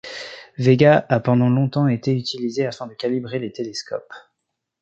Véga a pendant longtemps été utilisée afin de calibrer les télescopes.